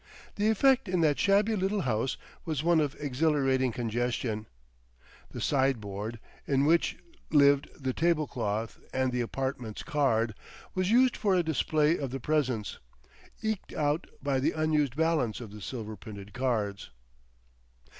The effect in that shabby little house was one of exhilarating congestion. The side board, in which lived the table cloth and the "Apartments" card, was used for a display of the presents, eked out by the unused balance of the silver printed cards.